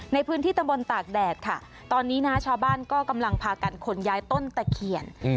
ในพื้นที่ตำบลตากแดดค่ะตอนนี้นะชาวบ้านก็กำลังพากันขนย้ายต้นตะเขียน